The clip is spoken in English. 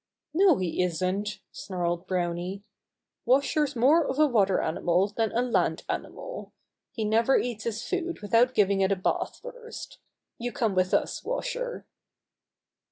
"No he isn't!" snarled Browny. "Washer's more of a water animal than a land animal. He never eats his food without giving it a bath first. You come with us. Washer."